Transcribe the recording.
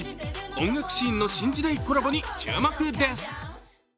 音楽シーンの新時代コラボに注目です！